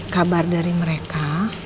kabar dari mereka